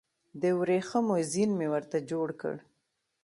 د وریښمو زین مې ورته جوړ کړ